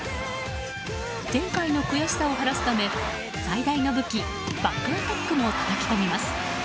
前回の悔しさを晴らすため最大の武器バックアタックもたたき込みます。